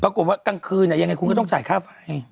ปรากฏว่ากลางคืนอ่ะยังไงคุณก็ต้องจ่ายค่าไฟ